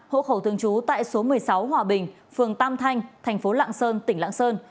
hồ khổng thương chú tại số một mươi sáu hòa bình phường tam thanh thành phố lãng sơn tỉnh lãng sơn